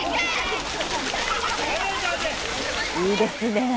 いいですね。